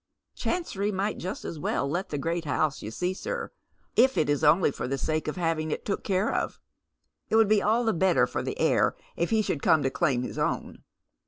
" Chancery might just as well let the great house, you see, sir, if it was only for the sake of having it took care of. It would be all the better for the heir if he should come to claim his own.